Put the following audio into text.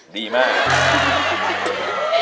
ทำค่ะ